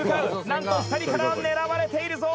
「なんと２人から狙われているぞ」